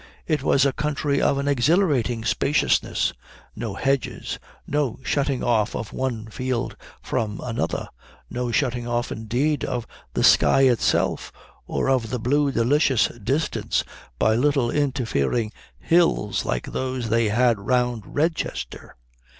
It was a country of an exhilarating spaciousness; no hedges, no shutting off of one field from another, no shutting off, indeed, of the sky itself or of the blue delicious distance by little interfering hills like those they had round Redchester.